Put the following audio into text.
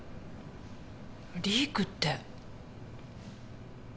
リークって。